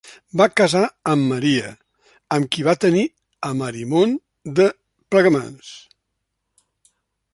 Va casar amb Maria, amb qui va tenir a Marimon de Plegamans.